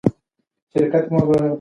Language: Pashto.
د ملي دسترخوان پروژې اغېز باید وڅېړل شي.